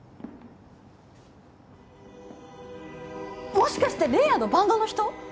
もしかして玲矢のバンドの人？